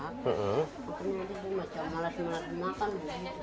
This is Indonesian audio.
akhirnya dia macam males males makan